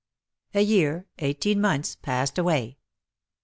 A year eighteen months passed away.